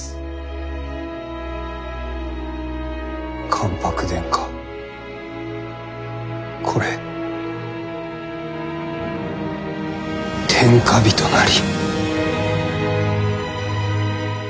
「関白殿下これ天下人なり」。